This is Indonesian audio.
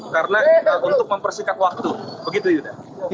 karena untuk mempersikat waktu begitu yuda